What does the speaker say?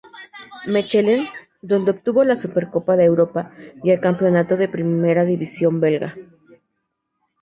Mechelen, donde obtuvo la Supercopa de Europa y el campeonato de Primera División belga.